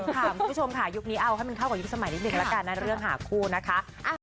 คุณผู้ชมค่ะยุคนี้เอาให้มันเข้ากับยุคสมัยนิดนึงละกันนะเรื่องหาคู่นะคะ